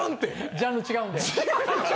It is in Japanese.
ジャンル違うんで。